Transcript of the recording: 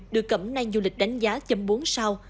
được cẩm nang du lịch đánh giá chấm bốn sao